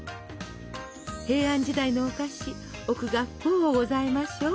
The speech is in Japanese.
平安時代のお菓子奥が深うございましょう？